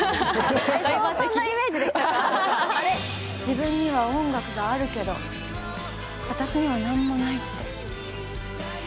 自分には音楽があるけど私には何もないってそう言いたいわけ？